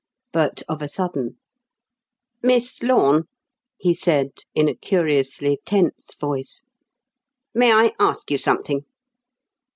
But of a sudden: "Miss Lorne," he said, in a curiously tense voice, "may I ask you something?